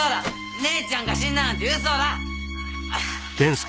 姉ちゃんが死んだなんてウソだ！